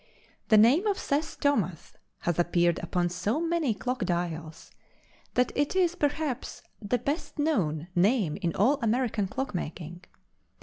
The name of Seth Thomas has appeared upon so many clock dials that it is perhaps the best known name in all American clock making.